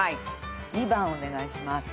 ２番をお願いします。